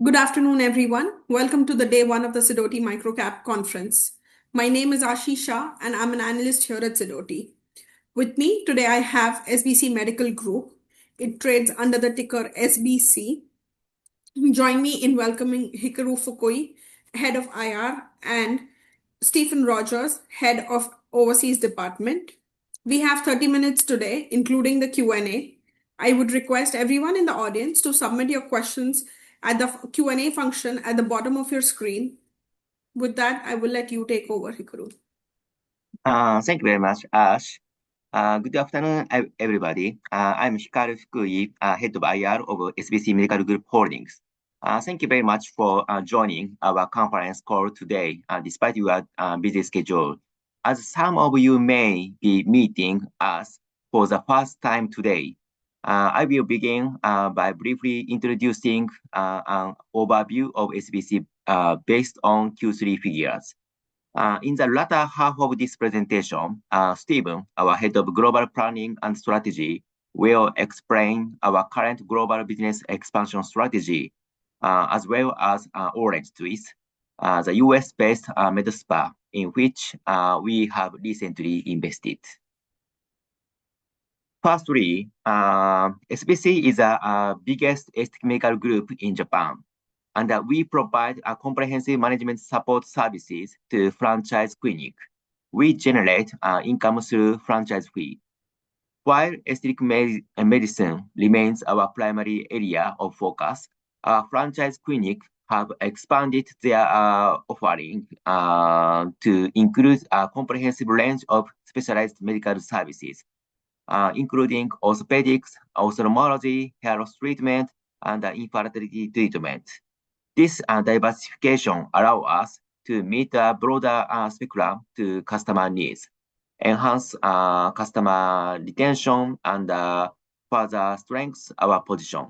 Good afternoon, everyone. Welcome to the Day 1 of the Sidoti Microcap Conference. My name is Aashi Shah, and I'm an analyst here at Sidoti. With me today, I have SBC Medical Group. It trades under the ticker SBC. Join me in welcoming Hikaru Fukui, Head of IR, and Stephen Rogers, Head of the Overseas Department. We have 30 minutes today, including the Q&A. I would request everyone in the audience to submit your questions at the Q&A function at the bottom of your screen. With that, I will let you take over, Hikaru. Thank you very much, Ash. Good afternoon, everybody. I'm Hikaru Fukui, Head of IR of SBC Medical Group Holdings. Thank you very much for joining our conference call today, despite your busy schedule. As some of you may be meeting us for the first time today, I will begin by briefly introducing an overview of SBC based on Q3 figures. In the latter half of this presentation, Stephen, our Head of Global Planning and Strategy, will explain our current global business expansion strategy, as well as OrangeTwist, the U.S.-based med spa in which we have recently invested. Firstly, SBC is the biggest aesthetic medical group in Japan, and we provide comprehensive management support services to franchise clinics. We generate income through franchise fees. While aesthetic medicine remains our primary area of focus, our franchise clinics have expanded their offering to include a comprehensive range of specialized medical services, including orthopedics, ophthalmology, hair loss treatment, and infertility treatment. This diversification allows us to meet a broader spectrum of customer needs, enhance customer retention, and further strengthen our position.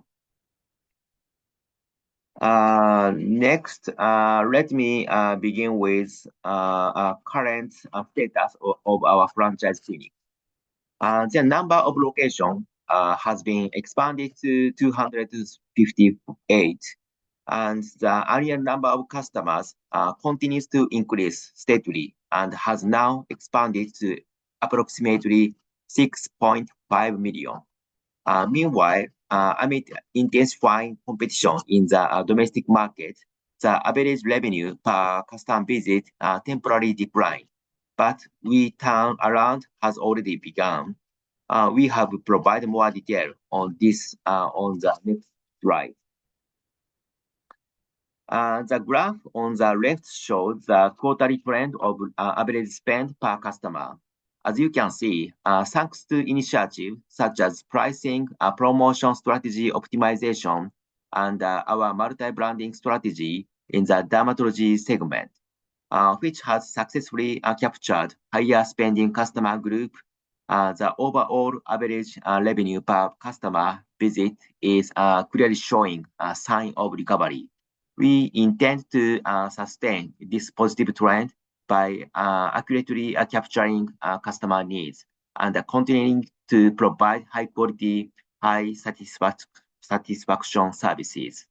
Next, let me begin with our current status of our franchise clinics. The number of locations has been expanded to 258, and the annual number of customers continues to increase steadily and has now expanded to approximately 6.5 million. Meanwhile, amid intensifying competition in the domestic market, the average revenue per customer visit temporarily declined, but we turned around, has already begun. We have provided more detail on this on the next slide. The graph on the left shows the quarterly trend of average spend per customer. As you can see, thanks to initiatives such as pricing, promotion strategy optimization, and our multi-branding strategy in the dermatology segment, which has successfully captured a higher-spending customer group, the overall average revenue per customer visit is clearly showing a sign of recovery. We intend to sustain this positive trend by accurately capturing customer needs and continuing to provide high-quality, high-satisfaction services.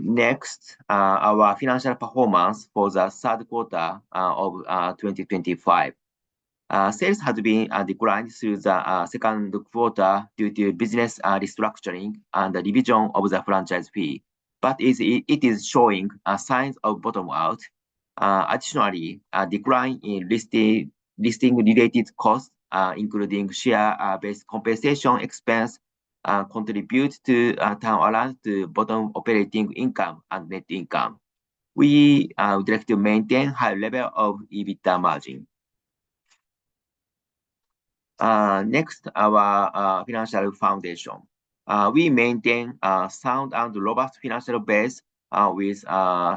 Next, our financial performance for the third quarter of 2025. Sales have been declined through the second quarter due to business restructuring and the revision of the franchise fee, but it is showing signs of bottom-out. Additionally, a decline in listing-related costs, including share-based compensation expense, contributes to a turnaround to bottom operating income and net income. We would like to maintain a high level of EBITDA margin. Next, our financial foundation. We maintain a sound and robust financial base with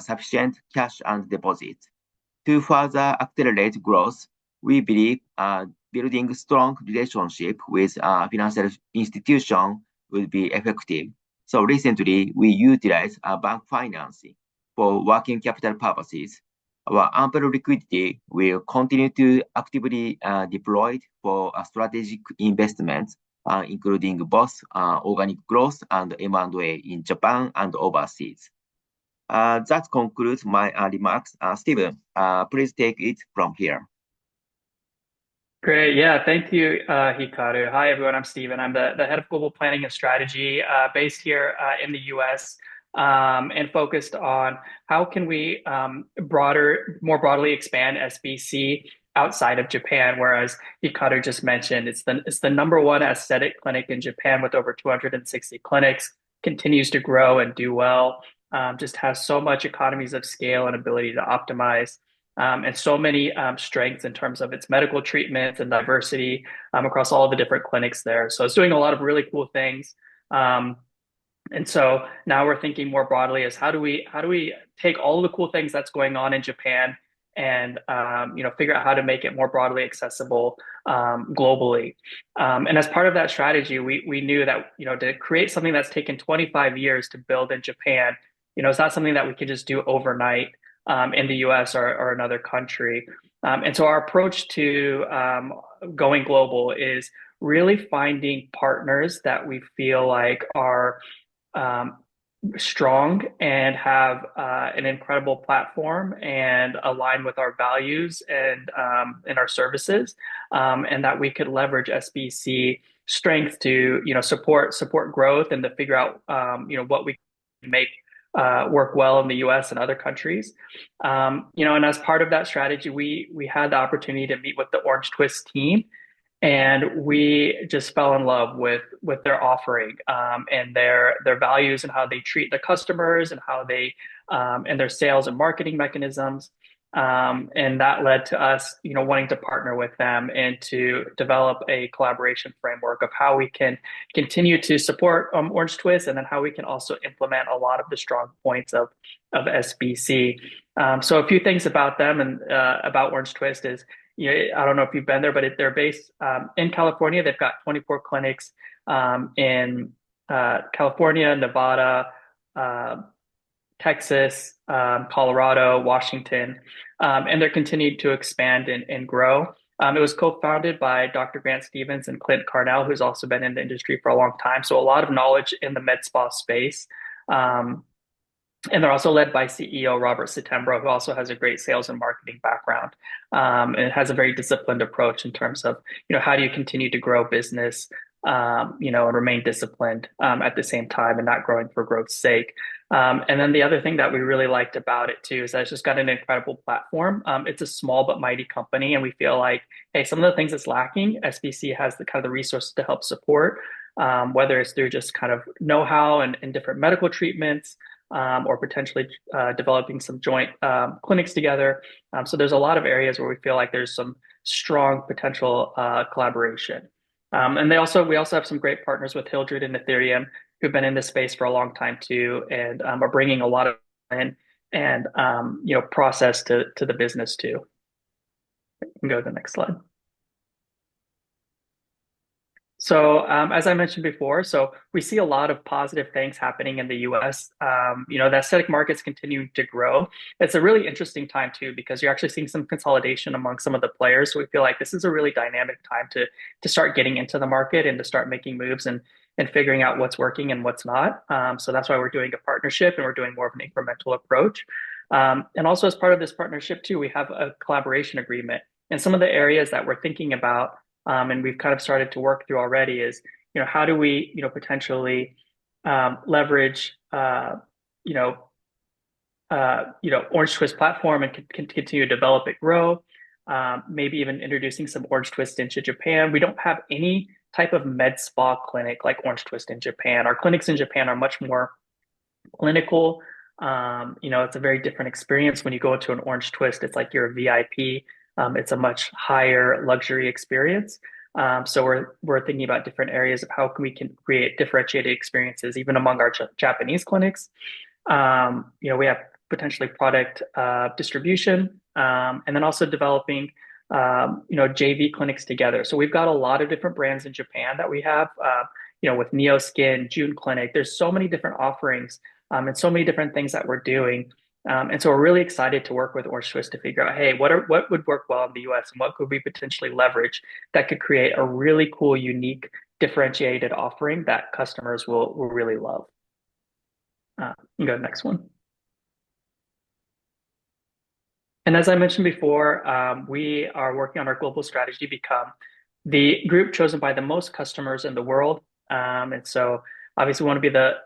sufficient cash and deposits. To further accelerate growth, we believe building strong relationships with financial institutions would be effective. So recently, we utilized bank financing for working capital purposes. Our ample liquidity will continue to be actively deployed for strategic investments, including both organic growth and M&A in Japan and overseas. That concludes my remarks. Stephen, please take it from here. Great. Yeah, thank you, Hikaru. Hi, everyone. I'm Stephen. I'm the Head of Global Planning and Strategy based here in the U.S. and focused on how can we more broadly expand SBC outside of Japan, whereas Hikaru just mentioned it's the number one aesthetic clinic in Japan with over 260 clinics, continues to grow and do well, just has so much economies of scale and ability to optimize, and so many strengths in terms of its medical treatments and diversity across all the different clinics there. So it's doing a lot of really cool things. And so now we're thinking more broadly as how do we take all the cool things that's going on in Japan and figure out how to make it more broadly accessible globally. And as part of that strategy, we knew that to create something that's taken 25 years to build in Japan, it's not something that we can just do overnight in the U.S. or another country, and so our approach to going global is really finding partners that we feel like are strong and have an incredible platform and align with our values and our services, and that we could leverage SBC's strength to support growth and to figure out what we can make work well in the U.S. and other countries, and as part of that strategy, we had the opportunity to meet with the OrangeTwist team, and we just fell in love with their offering and their values and how they treat the customers and their sales and marketing mechanisms. And that led to us wanting to partner with them and to develop a collaboration framework of how we can continue to support OrangeTwist and then how we can also implement a lot of the strong points of SBC. So a few things about them and about OrangeTwist is, I don't know if you've been there, but they're based in California. They've got 24 clinics in California, Nevada, Texas, Colorado, Washington, and they're continuing to expand and grow. It was co-founded by Dr. Grant Stevens and Clint Carnell, who's also been in the industry for a long time, so a lot of knowledge in the med spa space. And they're also led by CEO Robert Settembro, who also has a great sales and marketing background and has a very disciplined approach in terms of how do you continue to grow business and remain disciplined at the same time and not growing for growth's sake. And then the other thing that we really liked about it, too, is that it's just got an incredible platform. It's a small but mighty company, and we feel like, hey, some of the things it's lacking, SBC has the kind of resources to help support, whether it's through just kind of know-how and different medical treatments or potentially developing some joint clinics together. So there's a lot of areas where we feel like there's some strong potential collaboration. And we also have some great partners with Hildred and Athyrium, who've been in this space for a long time, too, and are bringing a lot of input and process to the business, too. You can go to the next slide. So as I mentioned before, we see a lot of positive things happening in the U.S. The aesthetic markets continue to grow. It's a really interesting time, too, because you're actually seeing some consolidation among some of the players. So we feel like this is a really dynamic time to start getting into the market and to start making moves and figuring out what's working and what's not. So that's why we're doing a partnership, and we're doing more of an incremental approach. And also, as part of this partnership, too, we have a collaboration agreement. And some of the areas that we're thinking about and we've kind of started to work through already is how do we potentially leverage OrangeTwist platform and continue to develop and grow, maybe even introducing some OrangeTwist into Japan. We don't have any type of med spa clinic like OrangeTwist in Japan. Our clinics in Japan are much more clinical. It's a very different experience. When you go to an OrangeTwist, it's like you're a VIP. It's a much higher luxury experience. So we're thinking about different areas of how we can create differentiated experiences, even among our Japanese clinics. We have potentially product distribution and then also developing JV clinics together. So we've got a lot of different brands in Japan that we have with NEO Skin, JUN CLINIC. There's so many different offerings and so many different things that we're doing. And so we're really excited to work with OrangeTwist to figure out, hey, what would work well in the U.S. and what could we potentially leverage that could create a really cool, unique, differentiated offering that customers will really love. You can go to the next one. And as I mentioned before, we are working on our global strategy to become the group chosen by the most customers in the world. And so obviously, we want to be the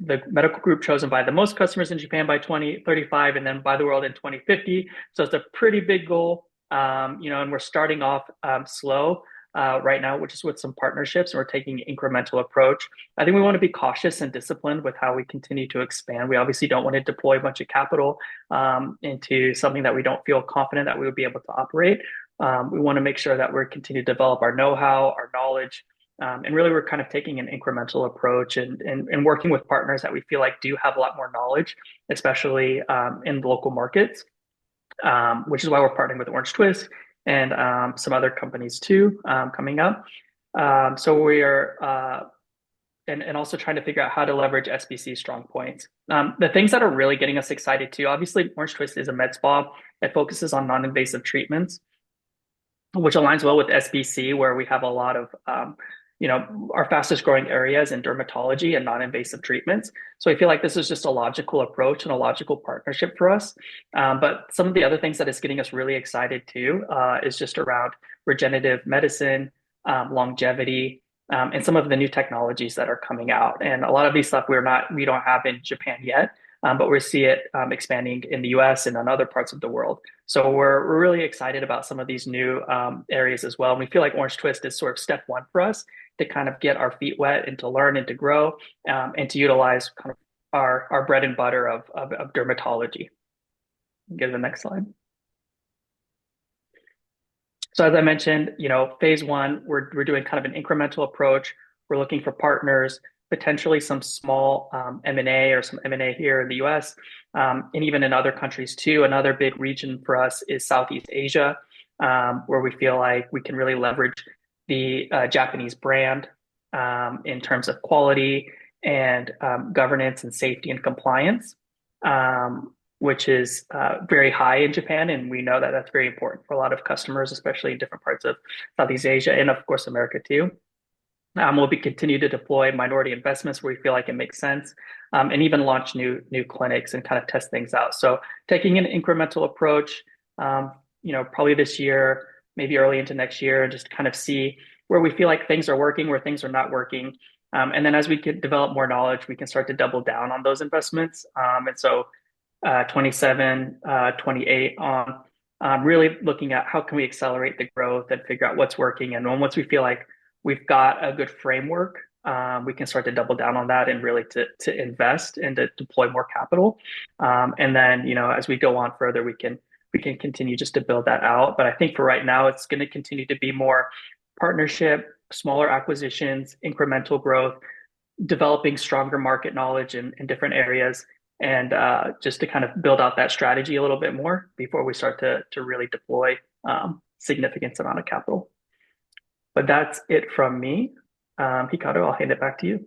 medical group chosen by the most customers in Japan by 2035 and then by the world in 2050. So it's a pretty big goal. And we're starting off slow right now, which is with some partnerships, and we're taking an incremental approach. I think we want to be cautious and disciplined with how we continue to expand. We obviously don't want to deploy a bunch of capital into something that we don't feel confident that we would be able to operate. We want to make sure that we continue to develop our know-how, our knowledge, and really, we're kind of taking an incremental approach and working with partners that we feel like do have a lot more knowledge, especially in the local markets, which is why we're partnering with OrangeTwist and some other companies, too, coming up, and also trying to figure out how to leverage SBC's strong points. The things that are really getting us excited, too, obviously, OrangeTwist is a med spa. It focuses on non-invasive treatments, which aligns well with SBC, where we have a lot of our fastest-growing areas in dermatology and non-invasive treatments, so I feel like this is just a logical approach and a logical partnership for us. But some of the other things that are getting us really excited, too, is just around regenerative medicine, longevity, and some of the new technologies that are coming out. And a lot of these stuff, we don't have in Japan yet, but we see it expanding in the U.S. and in other parts of the world. So we're really excited about some of these new areas as well. And we feel like OrangeTwist is sort of step one for us to kind of get our feet wet and to learn and to grow and to utilize kind of our bread and butter of dermatology. You can go to the next slide. So as I mentioned, phase one, we're doing kind of an incremental approach. We're looking for partners, potentially some small M&A or some M&A here in the U.S. and even in other countries, too. Another big region for us is Southeast Asia, where we feel like we can really leverage the Japanese brand in terms of quality and governance and safety and compliance, which is very high in Japan, and we know that that's very important for a lot of customers, especially in different parts of Southeast Asia and, of course, America, too. We'll continue to deploy minority investments where we feel like it makes sense and even launch new clinics and kind of test things out, so taking an incremental approach, probably this year, maybe early into next year, and just kind of see where we feel like things are working, where things are not working, and then as we develop more knowledge, we can start to double down on those investments, and so 2027, 2028, really looking at how can we accelerate the growth and figure out what's working. And once we feel like we've got a good framework, we can start to double down on that and really to invest and to deploy more capital. And then as we go on further, we can continue just to build that out. But I think for right now, it's going to continue to be more partnership, smaller acquisitions, incremental growth, developing stronger market knowledge in different areas, and just to kind of build out that strategy a little bit more before we start to really deploy a significant amount of capital. But that's it from me. Hikaru, I'll hand it back to you.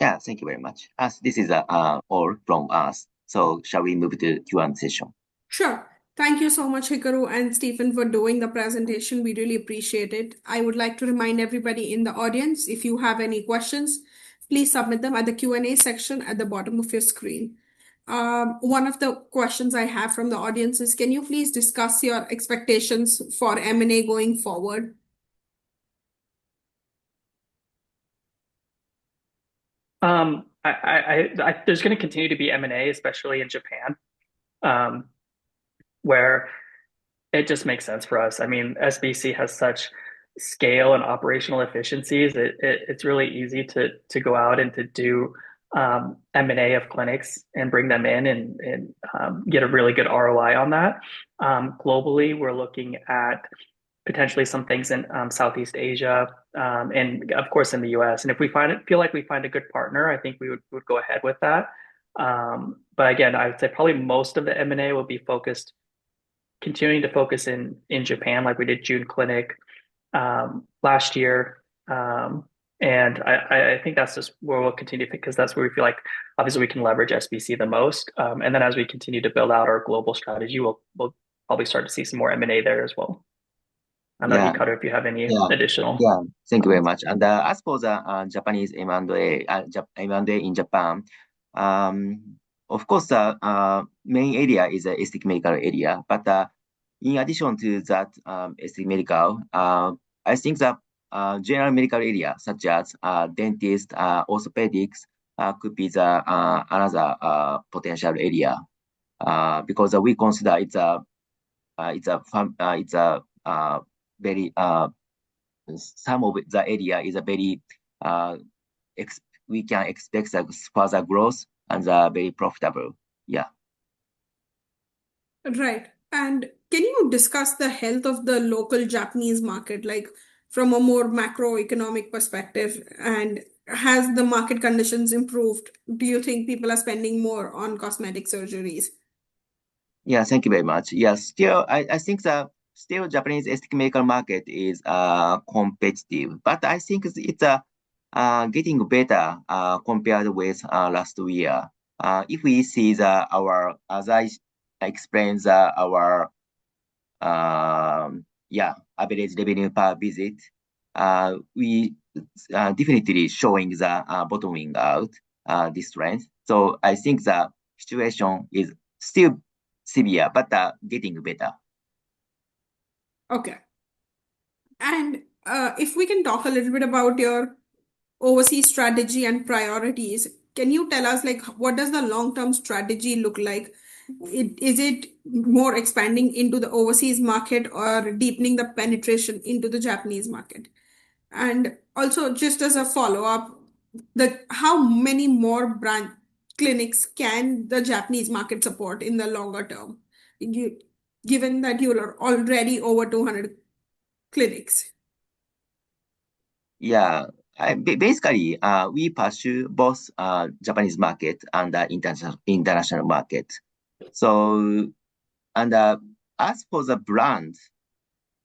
Yeah, thank you very much. This is all from us. So shall we move to Q&A session? Sure. Thank you so much, Hikaru and Stephen, for doing the presentation. We really appreciate it. I would like to remind everybody in the audience, if you have any questions, please submit them at the Q&A section at the bottom of your screen. One of the questions I have from the audience is, can you please discuss your expectations for M&A going forward? There's going to continue to be M&A, especially in Japan, where it just makes sense for us. I mean, SBC has such scale and operational efficiencies that it's really easy to go out and to do M&A of clinics and bring them in and get a really good ROI on that. Globally, we're looking at potentially some things in Southeast Asia and, of course, in the U.S. And if we feel like we find a good partner, I think we would go ahead with that. But again, I would say probably most of the M&A will be continuing to focus in Japan, like we did JUN CLINIC last year. And I think that's just where we'll continue to think because that's where we feel like, obviously, we can leverage SBC the most. Then as we continue to build out our global strategy, we'll probably start to see some more M&A there as well. I don't know, Hikaru, if you have any additional. Yeah, thank you very much. And as for the Japanese M&A in Japan, of course, the main area is the aesthetic medical area. But in addition to that aesthetic medical, I think the general medical area, such as dentists, orthopedics, could be another potential area because we consider it's a very some of the area is a very we can expect further growth and very profitable. Yeah. Right. And can you discuss the health of the local Japanese market from a more macroeconomic perspective? And has the market conditions improved? Do you think people are spending more on cosmetic surgeries? Yeah, thank you very much. Yeah, still, I think the Japanese aesthetic medicine market is competitive. But I think it's getting better compared with last year. If we see our, as I explained, our average revenue per visit, we definitely showing the bottoming out this trend. So I think the situation is still severe, but getting better. Okay. And if we can talk a little bit about your overseas strategy and priorities, can you tell us what does the long-term strategy look like? Is it more expanding into the overseas market or deepening the penetration into the Japanese market? And also, just as a follow-up, how many more clinics can the Japanese market support in the longer term, given that you are already over 200 clinics? Yeah. Basically, we pursue both the Japanese market and the international market. So as for the brand,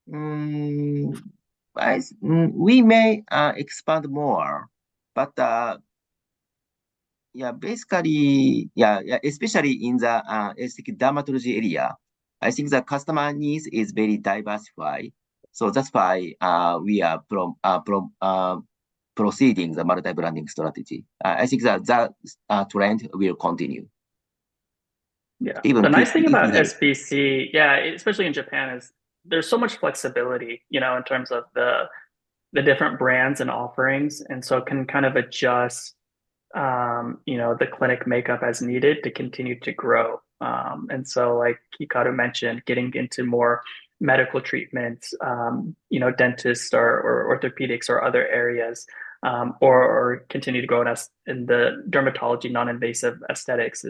we may expand more. But yeah, basically, yeah, especially in the aesthetic dermatology area, I think the customer needs are very diversified. So that's why we are proceeding with the multi-branding strategy. I think that trend will continue. Yeah. The nice thing about SBC, yeah, especially in Japan, is there's so much flexibility in terms of the different brands and offerings. And so it can kind of adjust the clinic makeup as needed to continue to grow. And so, like Hikaru mentioned, getting into more medical treatments, dentists or orthopedics or other areas, or continue to grow in the dermatology non-invasive aesthetics,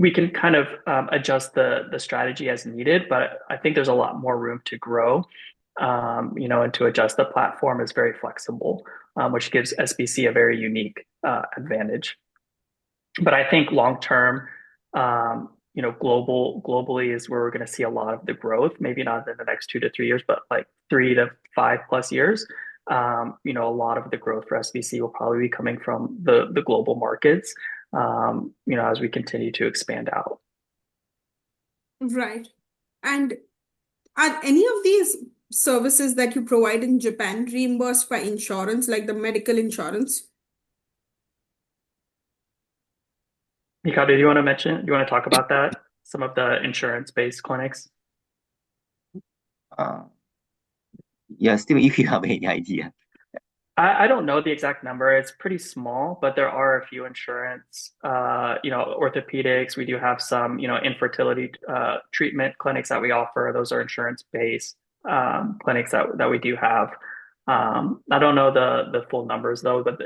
we can kind of adjust the strategy as needed. But I think there's a lot more room to grow and to adjust. The platform is very flexible, which gives SBC a very unique advantage. But I think long-term, globally is where we're going to see a lot of the growth, maybe not in the next 2-3 years, but 3-5-plus years. A lot of the growth for SBC will probably be coming from the global markets as we continue to expand out. Right, and are any of these services that you provide in Japan reimbursed by insurance, like the medical insurance? Hikaru, do you want to talk about that, some of the insurance-based clinics? Yes Stephen, if you have any idea. I don't know the exact number. It's pretty small, but there are a few insurance orthopedics. We do have some infertility treatment clinics that we offer. Those are insurance-based clinics that we do have. I don't know the full numbers, though, but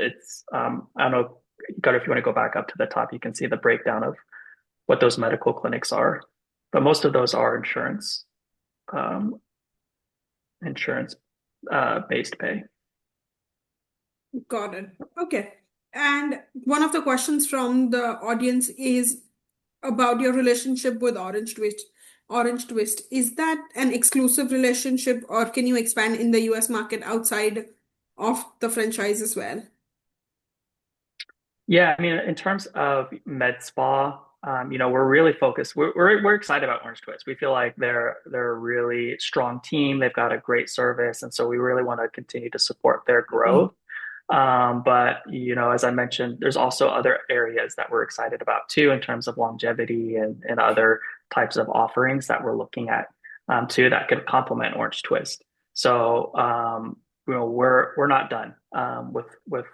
I don't know, Hikaru, if you want to go back up to the top, you can see the breakdown of what those medical clinics are. But most of those are insurance-based pay. Got it. Okay. And one of the questions from the audience is about your relationship with OrangeTwist. Is that an exclusive relationship, or can you expand in the U.S. market outside of the franchise as well? Yeah. I mean, in terms of med spa, we're really focused. We're excited about OrangeTwist. We feel like they're a really strong team. They've got a great service. And so we really want to continue to support their growth. But as I mentioned, there's also other areas that we're excited about, too, in terms of longevity and other types of offerings that we're looking at, too, that could complement OrangeTwist. So we're not done with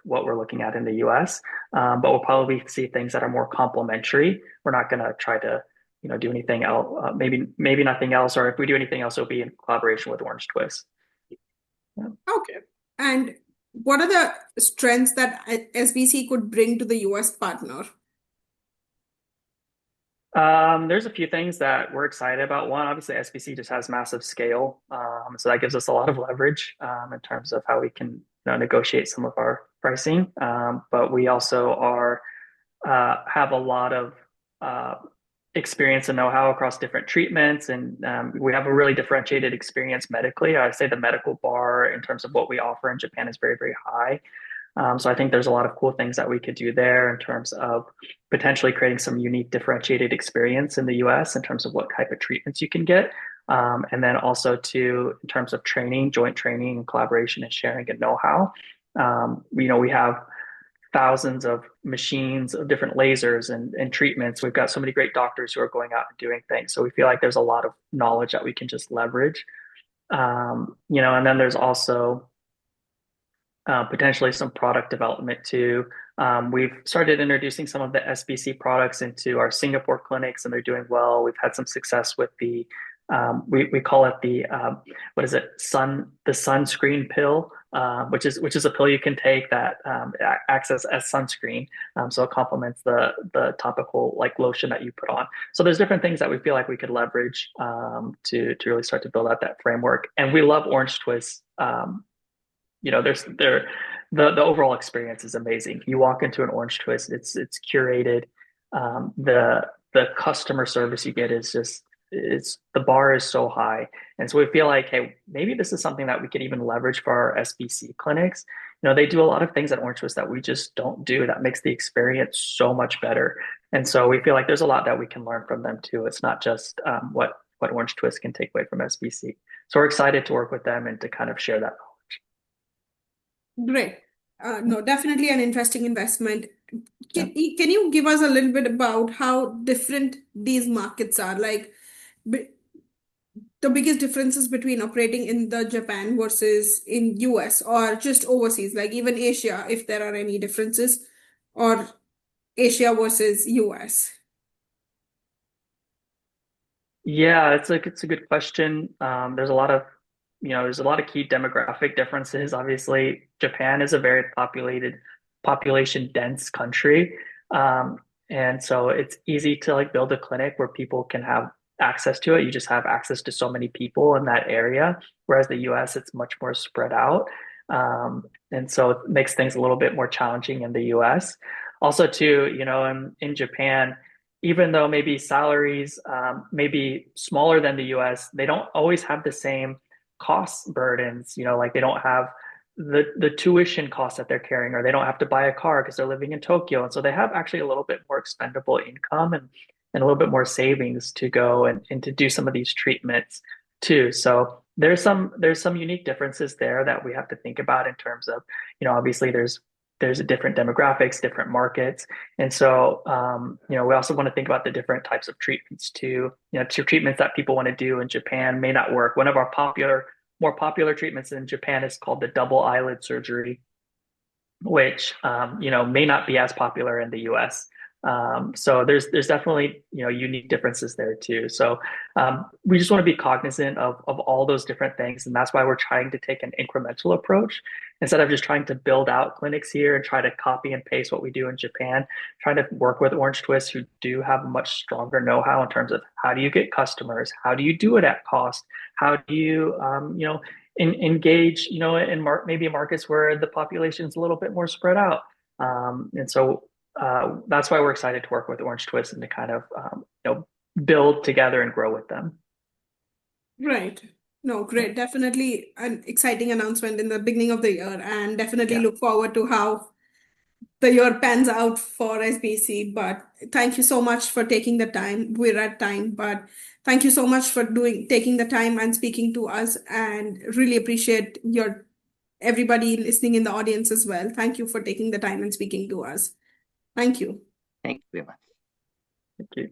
what we're looking at in the U.S., but we'll probably see things that are more complementary. We're not going to try to do anything else, maybe nothing else. Or if we do anything else, it'll be in collaboration with OrangeTwist. Okay. And what are the strengths that SBC could bring to the U.S. partner? There's a few things that we're excited about. One, obviously, SBC just has massive scale. So that gives us a lot of leverage in terms of how we can negotiate some of our pricing. But we also have a lot of experience and know-how across different treatments. And we have a really differentiated experience medically. I'd say the medical bar in terms of what we offer in Japan is very, very high. So I think there's a lot of cool things that we could do there in terms of potentially creating some unique differentiated experience in the U.S. in terms of what type of treatments you can get. And then also, too, in terms of training, joint training and collaboration and sharing and know-how. We have thousands of machines, different lasers, and treatments. We've got so many great doctors who are going out and doing things. We feel like there's a lot of knowledge that we can just leverage. And then there's also potentially some product development, too. We've started introducing some of the SBC products into our Singapore clinics, and they're doing well. We've had some success with what we call the sunscreen pill, which is a pill you can take that acts as sunscreen. So it complements the topical lotion that you put on. So there's different things that we feel like we could leverage to really start to build out that framework. And we love OrangeTwist. The overall experience is amazing. You walk into an OrangeTwist, it's curated. The customer service you get is—just the bar is so high. And so we feel like, hey, maybe this is something that we could even leverage for our SBC clinics. They do a lot of things at OrangeTwist that we just don't do that makes the experience so much better. And so we feel like there's a lot that we can learn from them, too. It's not just what OrangeTwist can take away from SBC. So we're excited to work with them and to kind of share that knowledge. Great. No, definitely an interesting investment. Can you give us a little bit about how different these markets are? The biggest differences between operating in Japan versus in the U.S. or just overseas, even Asia, if there are any differences or Asia versus the U.S.? Yeah, it's a good question. There's a lot of key demographic differences. Obviously, Japan is a very population-dense country. And so it's easy to build a clinic where people can have access to it. You just have access to so many people in that area. Whereas the U.S., it's much more spread out. And so it makes things a little bit more challenging in the U.S. Also, too, in Japan, even though maybe salaries may be smaller than the U.S., they don't always have the same cost burdens. They don't have the tuition costs that they're carrying, or they don't have to buy a car because they're living in Tokyo. And so they have actually a little bit more expendable income and a little bit more savings to go and to do some of these treatments, too. So there's some unique differences there that we have to think about in terms of, obviously, there's different demographics, different markets. And so we also want to think about the different types of treatments, too. Treatments that people want to do in Japan may not work. One of our more popular treatments in Japan is called the double eyelid surgery, which may not be as popular in the U.S. So there's definitely unique differences there, too. So we just want to be cognizant of all those different things. And that's why we're trying to take an incremental approach instead of just trying to build out clinics here and try to copy and paste what we do in Japan, trying to work with OrangeTwist, who do have much stronger know-how in terms of how do you get customers, how do you do it at cost, how do you engage in maybe markets where the population is a little bit more spread out. And so that's why we're excited to work with OrangeTwist and to kind of build together and grow with them. Right. No, great. Definitely an exciting announcement in the beginning of the year. And definitely look forward to how the year pans out for SBC. But thank you so much for taking the time. We're at time. But thank you so much for taking the time and speaking to us. And really appreciate everybody listening in the audience as well. Thank you for taking the time and speaking to us. Thank you. Thank you very much. Thank you.